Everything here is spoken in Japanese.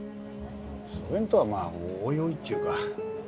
そげんとはまあおいおいっちゅうか。